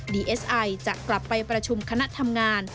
ดีเอสไอจะกลับไปประชุมคณะทำงาน